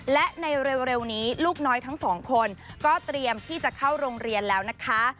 และในเร็วนี้ลูกน้อยทั้งสองคนก็เตรียมที่จะเข้าโรงเรียนแล้วนะคะ